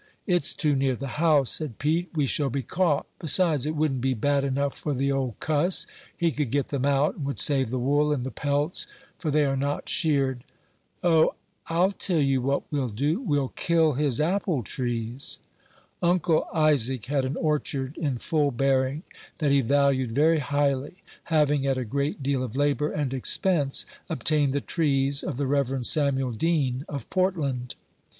"It's too near the house," said Pete; "we shall be caught; besides, it wouldn't be bad enough for the 'old cuss;' he could get them out, and would save the wool and the pelts, for they are not sheared. O! I'll tell you what we'll do; we'll kill his apple trees." Uncle Isaac had an orchard in full bearing, that he valued very highly, having, at a great deal of labor and expense, obtained the trees of the Rev. Samuel Deane, of Portland.